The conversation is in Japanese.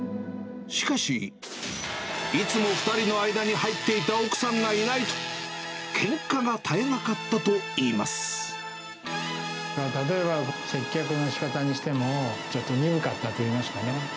しかし、いつも２人の間に入っていた奥さんがいないと、けんかが絶えなか例えば、接客のしかたにしても、ちょっと鈍かったといいますかね。